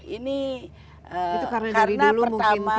ini karena pertama